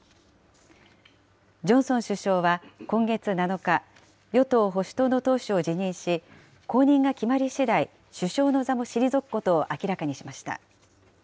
ジョンソン首相は今月７日、与党・保守党の党首を辞任し、後任が決まりしだい首相の座も退くことを明らかにしました。